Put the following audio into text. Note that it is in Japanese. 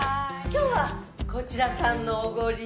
今日はこちらさんのおごり。